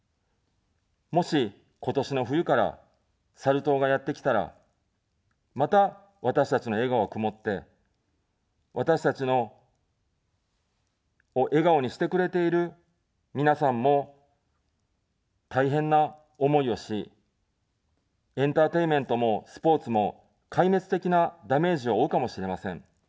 もし、今年の冬からサル痘がやってきたら、また私たちの笑顔は曇って、私たちを笑顔にしてくれている皆さんも大変な思いをし、エンターテインメントもスポーツも壊滅的なダメージを負うかもしれません。